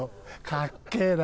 「かっけえな！